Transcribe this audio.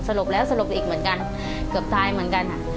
ลบแล้วสลบอีกเหมือนกันเกือบตายเหมือนกัน